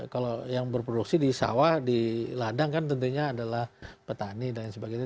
kalau yang berproduksi di sawah di ladang kan tentunya adalah petani dan sebagainya